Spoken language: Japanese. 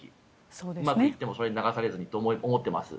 うまくいってもそれに流されずにと思っています。